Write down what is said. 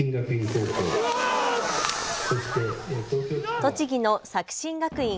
栃木の作新学院。